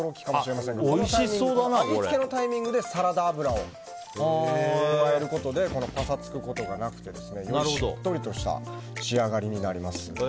味付けのタイミングでサラダ油を加えることでパサつくことがなくてしっとりとした仕上がりになります。